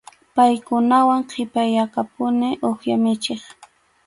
Paykunawan qhipakapuni uwiha michiq.